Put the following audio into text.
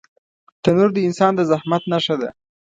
تنور د انسان د زحمت نښه ده